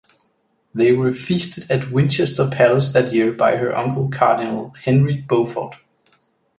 They were feasted at Winchester Palace that year by her uncle Cardinal Henry Beaufort.